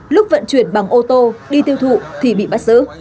lúc vận chuyển bằng ô tô đi tiêu thụ thì bị bắt giữ